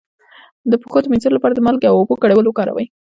د پښو د مینځلو لپاره د مالګې او اوبو ګډول وکاروئ